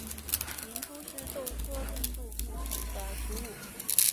银珠是豆科盾柱木属的植物。